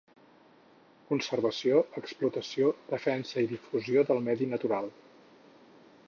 Conservació, explotació, defensa i difusió del medi natural.